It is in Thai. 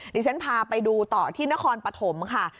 ดิฉันพาไปดูต่อที่นครปฐมค่ะ